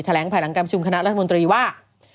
แหลงภายหลังการประชุมคณะรัฐมนตรีว่า